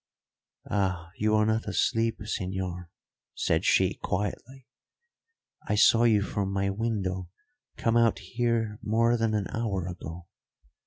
"Ah, you are not asleep, señor," said she quietly. "I saw you from my window come out here more than an hour ago.